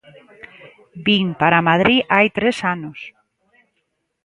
Vin para Madrid hai tres anos.